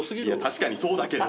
確かにそうだけど。